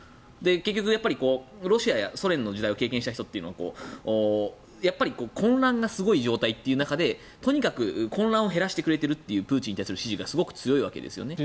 結局、ロシアやソ連の時代を経験した人はやっぱり混乱がすごい状態という中でとにかく混乱を減らしてくれているというプーチンに対する支持がすごく強いわけですよね。